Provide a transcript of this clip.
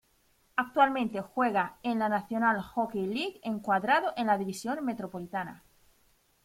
Actualmente juega en la National Hockey League, encuadrado en la División Metropolitana.